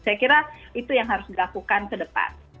saya kira itu yang harus dilakukan ke depan